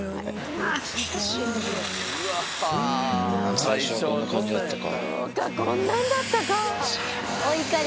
うん最初はこんな感じだったか。